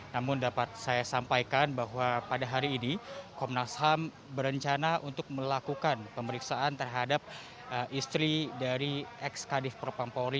namun dapat saya sampaikan bahwa pada hari ini komnas ham berencana untuk melakukan pemeriksaan terhadap istri dari ex kadif propampori